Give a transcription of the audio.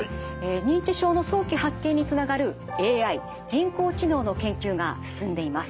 認知症の早期発見につながるＡＩ人工知能の研究が進んでいます。